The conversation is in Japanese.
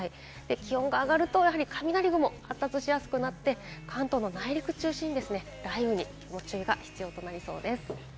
気温が上がると雷雲が発達しやすくなって関東の内陸中心に雷雨にご注意が必要となりそうです。